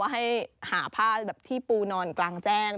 ให้หาผ้าแบบที่ปูนอนกลางแจ้ง